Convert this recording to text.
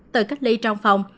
từ cách ly trong phòng